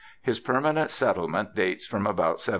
His permanent settlement dates from about 1731.